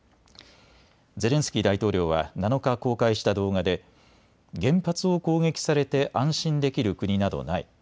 ゼレンスキー大統領は７日公開した動画で原発を攻撃されて安心できる国などない。